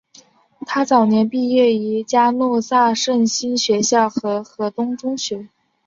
她早年毕业于嘉诺撒圣心学校和何东中学。